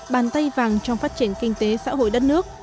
bàn tay vàng trong phát triển kinh tế xã hội đất nước